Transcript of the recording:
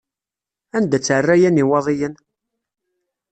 Anda-tt rraya n Iwaḍiyen?